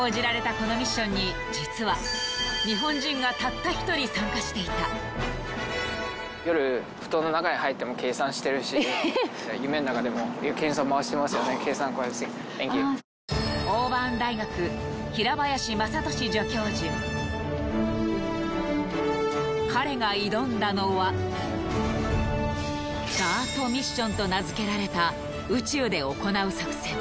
このミッションに実は日本人がたった一人参加していた彼が挑んだのはと名づけられた宇宙で行う作戦